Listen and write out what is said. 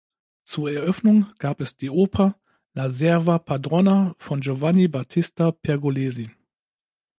Zur Eröffnung gab es die Oper „La serva padrona“ von Giovanni Battista Pergolesi.